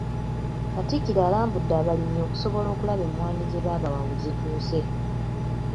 Katikkiro alambudde abalimi okusobola okulaba emmwanyi ze baabawa we zituuse.